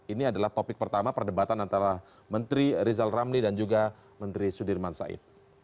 ini adalah topik pertama perdebatan antara menteri rizal ramli dan juga menteri sudirman said